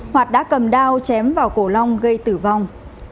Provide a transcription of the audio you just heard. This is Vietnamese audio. hoạt đã cầm đao chém vào cổ long gây tử vong